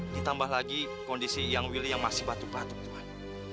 ditambah lagi kondisi yang willy yang masih batuk batuk tuhan